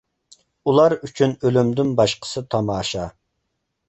ئۇلار ئۈچۈن ئۆلۈمدىن باشقىسى تاماشا.